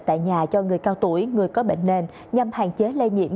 tại nhà cho người cao tuổi người có bệnh nền nhằm hạn chế lây nhiễm